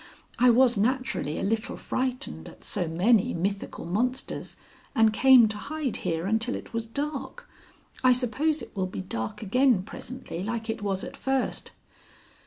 I was naturally a little frightened at so many mythical monsters, and came to hide here until it was dark. I suppose it will be dark again presently like it was at first.